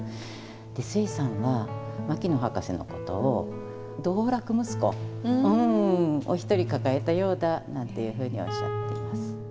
で壽衛さんは牧野博士のことを道楽息子を一人抱えたようだなんていうふうにおっしゃっています。